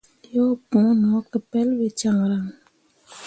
Yo pũũ no ke pelɓe caŋryaŋ.